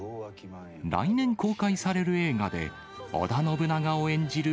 来年公開される映画で、織田信長を演じる